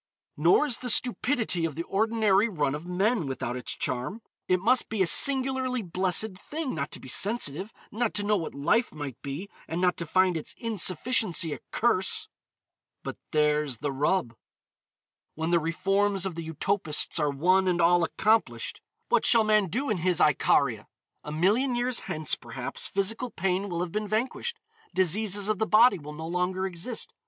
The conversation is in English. Nor is the stupidity of the ordinary run of men without its charm. It must be a singularly blessed thing not to be sensitive, not to know what life might be, and not to find its insufficiency a curse. But there's the rub. When the reforms of the utopists are one and all accomplished, what shall man do in his Icaria? A million years hence, perhaps, physical pain will have been vanquished. Diseases of the body will no longer exist.